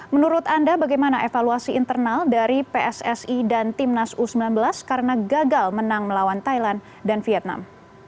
menurut anda bagaimana evaluasi internal dari pssi dan timnas u sembilan belas karena gagal menang melawan thailand dan vietnam